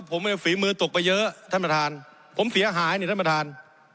ผมฝีมือตกไปเยอะท่านประธานผมเสียหายเนี่ยท่านประธาน